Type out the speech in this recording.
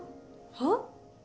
はっ？